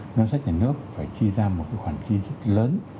ngân sách nhà nước phải chi ra một khoản chi rất lớn